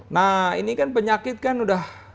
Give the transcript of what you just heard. nah ini kan penyakit kan udah